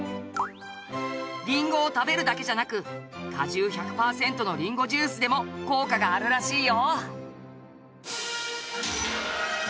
りんごを食べるだけじゃなく果汁１００パーセントのりんごジュースでも効果があるらしいよ！